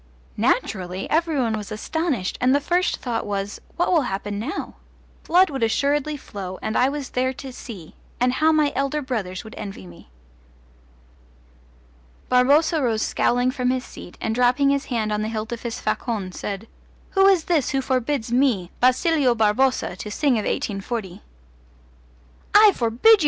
Naturally every one was astonished, and the first thought was, What will happen now? Blood would assuredly flow, and I was there to see and how my elder brothers would envy me! Barboza rose scowling from his seat, and dropping his hand on the hilt of his facon said: "Who is this who forbids me, Basilio Barboza, to sing of 1840?" "I forbid you!"